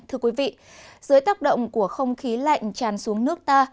thưa quý vị dưới tác động của không khí lạnh tràn xuống nước ta